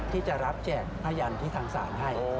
ที่จะรับแจกพยานที่ทางศาลให้